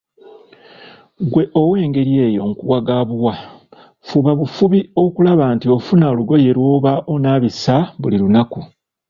Ggwe ow'engeri eyo nkuwa ga buwa, fuba bufubi okulaba nti ofuna olugoye lw'oba onaabisa buli lunaku.